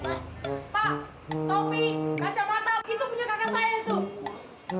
ini kacamata itu kakak saya tuh